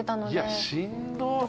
いやしんど！